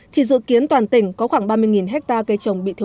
thì dự kiến toàn tỉnh có khoảng ba mươi hectare cây trồng bị thu hút